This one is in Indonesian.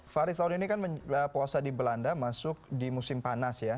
faris tahun ini kan puasa di belanda masuk di musim panas ya